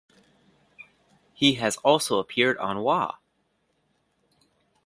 He has also appeared on Wah!